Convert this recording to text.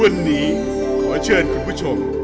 วันนี้ขอเชิญคุณผู้ชม